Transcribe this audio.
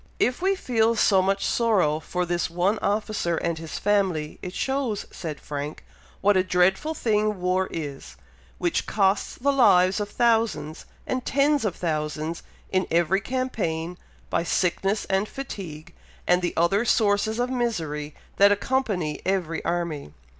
"If we feel so much sorrow for this one officer and his family, it shows," said Frank, "what a dreadful thing war is, which costs the lives of thousands and tens of thousands in every campaign, by sickness and fatigue, and the other sources of misery that accompany every army."